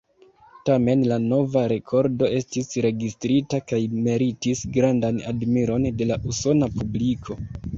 Tamen la nova rekordo estis registrita kaj meritis grandan admiron de la usona publiko.